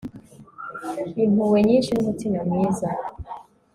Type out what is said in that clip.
impuhwe nyishi n'umutima mwiza